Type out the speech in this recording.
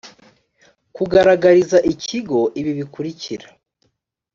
kugaragariza ikigo ibi bikurikira